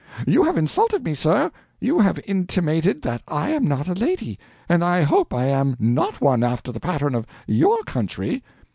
"You have insulted me, sir! You have intimated that I am not a lady and I hope I am NOT one, after the pattern of your country."